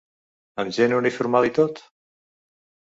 Amb gent uniformada i tot?